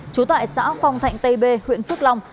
chú tại xã phong thạnh tây bê huyện phước long